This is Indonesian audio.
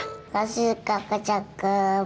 makasih kakak cakep